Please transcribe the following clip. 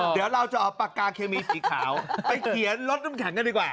เดี๋ยวเราจะเอาปากกาเคมีสีขาวไปเขียนรถน้ำแข็งกันดีกว่า